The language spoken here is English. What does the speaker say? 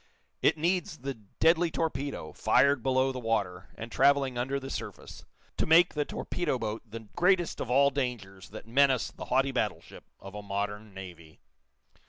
It needs the deadly torpedo, fired below the water, and traveling under the surface, to make the torpedo boat the greatest of all dangers that menace the haughty battleship of a modern navy.